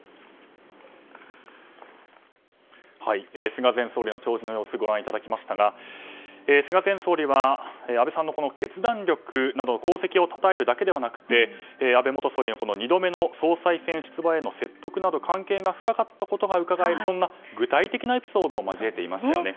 菅前総理の弔辞の様子をご覧いただきましたが菅前総理は安倍さんの決断力など功績をたたえるだけではなくて安倍元総理の２度目の総裁選出馬への説得など関係が深かったことがうかがえる具体的なエピソードを交えていましたね。